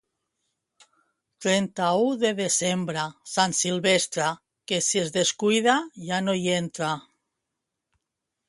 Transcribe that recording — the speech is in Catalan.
Trenta-u de desembre, Sant Silvestre, que si es descuida ja no hi entra.